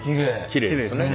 きれいですよね。